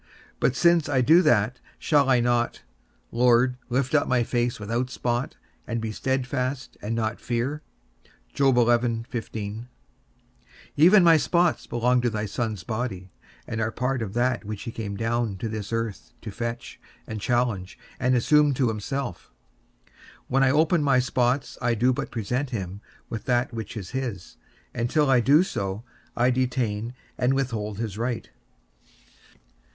But since I do that, shall I not, Lord, lift up my face without spot, and be steadfast, and not fear? Even my spots belong to thy Son's body, and are part of that which he came down to this earth to fetch, and challenge, and assume to himself. When I open my spots I do but present him with that which is his; and till I do so, I detain and withhold his right.